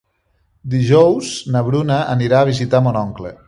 Dijous na Bruna anirà a visitar mon oncle.